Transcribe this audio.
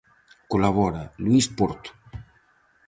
Colabora Luís Porto.